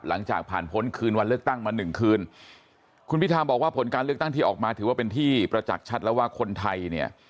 หลังจากผ่านพ้นคืนวันเลือกตั้งมาหนึ่งคืนคุณพิธาบอกว่าผลการเลือกตั้งที่ออกมาถือว่าเป็นที่ประจักษ์ชัดแล้วว่าคนไทยเนี่ย